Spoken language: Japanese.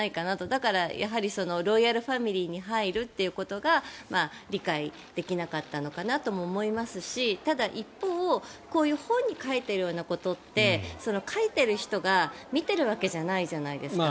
だから、やはりロイヤルファミリーに入るということが理解できなかったのかなとも思いますしただ一方、こういう本に書いてあるようなことって書いている人が見てるわけじゃないじゃないですか。